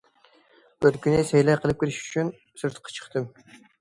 بىر كۈنى سەيلە قىلىپ كىرىش ئۈچۈن سىرتقا چىقتىم.